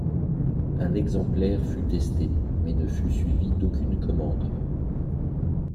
Un exemplaire fut testé mais ne fut suivi d'aucune commande.